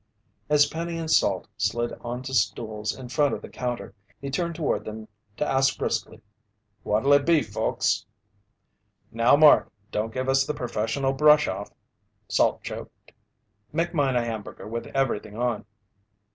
As Penny and Salt slid onto stools in front of the counter, he turned toward them to ask briskly: "What'll it be, folks?" "Now Mark, don't give us the professional brush off," Salt joked. "Make mine a hamburger with everything on."